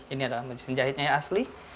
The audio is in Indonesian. ini adalah mesin jahitnya yang asli